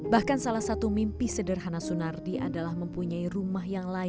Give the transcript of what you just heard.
bahkan salah satu mimpi sederhana sunardi adalah mempunyai rumah yang lain